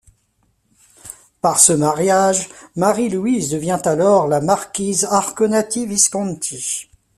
Par ce mariage, Marie-Louise devient alors la marquise Arconati-Visconti.